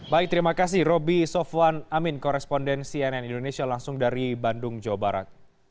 baik terima kasih roby sofwan amin koresponden cnn indonesia langsung dari bandung jawa barat